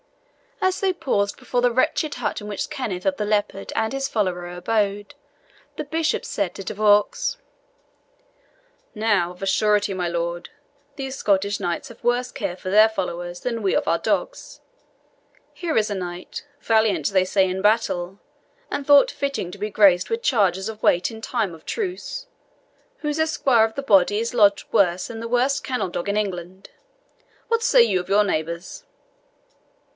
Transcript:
As they paused before the wretched hut in which Kenneth of the Leopard and his follower abode, the bishop said to De Vaux, "Now, of a surety, my lord, these Scottish Knights have worse care of their followers than we of our dogs. Here is a knight, valiant, they say, in battle, and thought fitting to be graced with charges of weight in time of truce, whose esquire of the body is lodged worse than in the worst dog kennel in England. What say you of your neighbours?"